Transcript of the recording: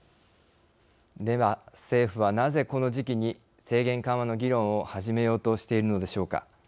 では政府は、なぜこの時期に制限緩和の議論を始めようとしているのでしょうか。